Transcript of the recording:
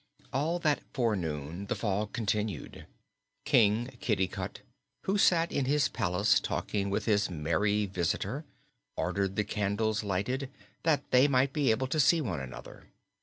All that forenoon the fog continued. King Kitticut, who sat in his palace talking with his merry visitor, ordered the candles lighted, that they might be able to see one another.